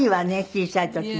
小さい時ね。